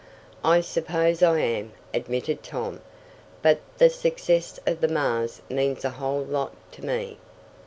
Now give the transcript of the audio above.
"I suppose I am," admitted Tom. "But the success of the Mars means a whole lot to me.